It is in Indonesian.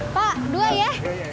pak dua ya